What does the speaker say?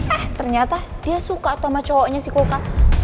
eh ternyata dia suka sama cowoknya si kulka